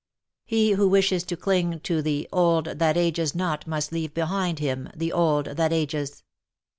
" "He who wishes to clingy to the old that ao^es not must leave behind him the old that ages."